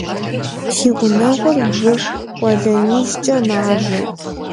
Си гъунэгъур вы къуэлэнищкӀэ мавэ.